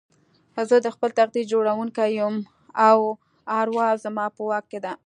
زه د خپل تقدير جوړوونکی يم او اروا زما په واک کې ده.